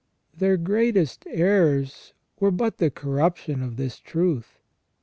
Their greatest errors were but the corruption of this truth.